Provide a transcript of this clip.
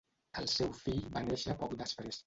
El seu fill va néixer poc després.